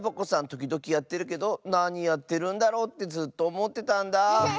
ときどきやってるけどなにやってるんだろうってずっとおもってたんだ。